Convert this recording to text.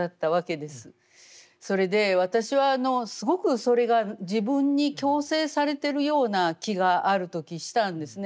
それで私はすごくそれが自分に強制されてるような気がある時したんですね。